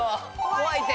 怖いって！